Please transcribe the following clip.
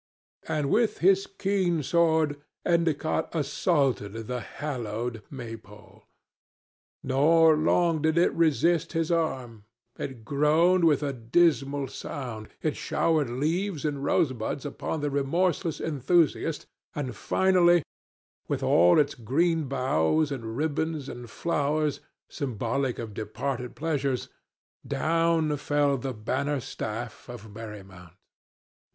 And with his keen sword Endicott assaulted the hallowed Maypole. Nor long did it resist his arm. It groaned with a dismal sound, it showered leaves and rosebuds upon the remorseless enthusiast, and finally, with all its green boughs and ribbons and flowers, symbolic of departed pleasures, down fell the banner staff of Merry Mount.